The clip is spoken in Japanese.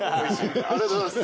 ありがとうございます。